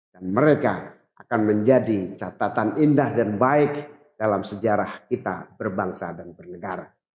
dan mereka akan menjadi catatan indah dan baik dalam sejarah kita berbangsa dan bernegara